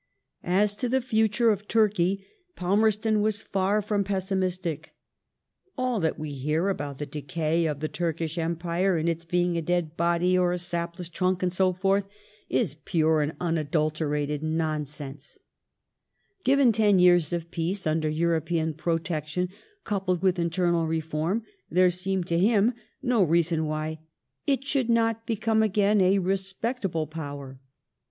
As to the future of Turkey, Palmerston was far from pessi mistic. " All that we hear about the decay of the Turkish Empire and its being a dead body or a sapless trunk and so forth is pure ^ September ist, 1839. 1841] TREATY OF LONDON 155 and unadulterated nonsense." Given ten years of peace under European protection, coupled with internal reform, there seemed to him no reason why "it should not become again a respectable > Power